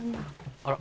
あら。